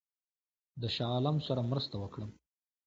د شاه عالم سره مرسته وکړم.